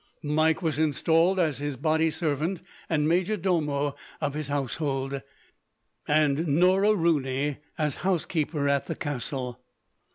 Mike was installed as his body servant, and majordomo of his household; and Norah Rooney as housekeeper at the castle.